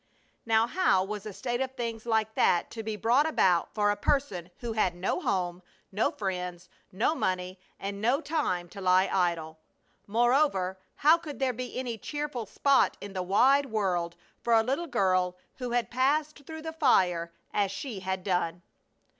Now how was a state of things like that to be brought about for a person who had no home, no friends, no money, and no time to lie idle? Moreover, how could there be any cheerful spot in the wide world for a little girl who had passed through the fire as she had done?